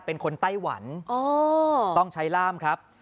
ไต้หวันต้องใช้ล่ามครับ